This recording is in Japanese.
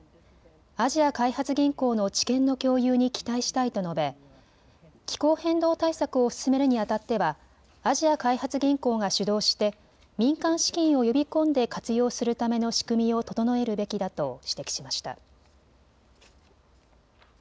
アジア開発銀行の知見の共有に期待したいと述べ、気候変動対策を進めるにあたってはアジア開発銀行が主導して民間資金を呼び込んで活用するための仕組みを整えるべきだと指摘しました。